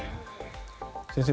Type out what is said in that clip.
先生